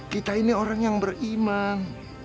kita ini orang yang beriman